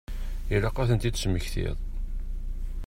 Ilaq ad ten-id-tesmektiḍ.